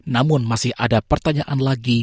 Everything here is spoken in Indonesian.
namun masih ada pertanyaan lagi